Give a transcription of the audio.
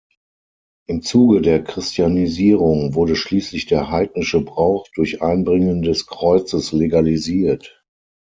Im Zuge der Christianisierung wurde schließlich der heidnische Brauch durch Einbringen des Kreuzes legalisiert.